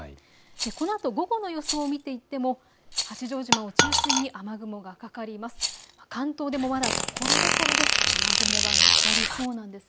このあと午後の予想を見ていっても八丈島を中心に雨雲がかかります。